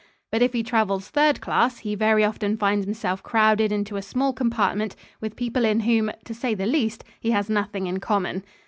But if he travels third class, he very often finds himself crowded into a small compartment with people in whom, to say the least, he has nothing in common.